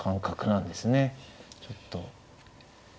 ちょっと。